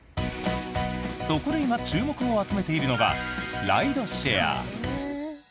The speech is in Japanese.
そこで今、注目を集めているのがライドシェア。